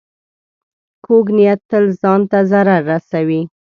کوږ نیت تل ځان ته ضرر رسوي